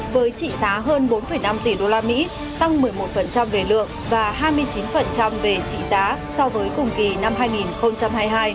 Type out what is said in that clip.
với trị giá hơn bốn năm tỷ usd tăng một mươi một về lượng và hai mươi chín về trị giá so với cùng kỳ năm hai nghìn hai mươi hai